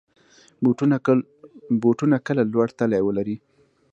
بوټونه کله لوړ تلي ولري.